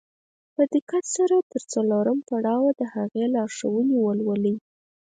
په دقت سره تر څلورم پړاوه د هغې لارښوونې ولولئ.